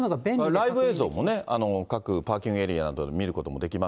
ライブ映像もね、各パーキングエリアなどで見ることができま